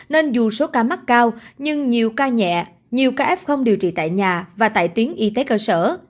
nên dù số ca mắc cao nhưng nhiều ca nhẹ nhiều ca f không điều trị tại nhà và tại tuyến y tế cơ sở